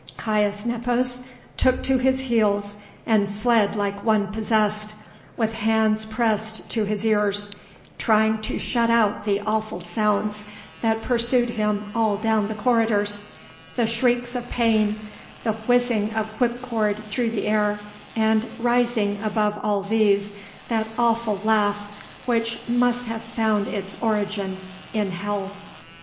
Caius Nepos took to his heels and fled like one possessed, with hands pressed to his ears, trying to shut out the awful sounds that pursued him all down the corridors: the shrieks of pain, the whizzing of whipcord through the air, and, rising above all these, that awful laugh which must have found its origin in hell.